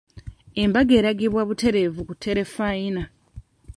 Embaga eragibwa butereevu ku terefayina.